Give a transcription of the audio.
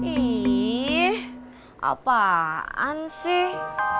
ih apaan sih